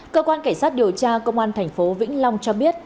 cơ quan cảnh sát điều tra công an tp vĩnh long cho biết